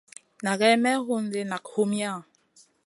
Nʼagai mey wondi nak humiya?